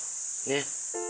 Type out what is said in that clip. ねっ？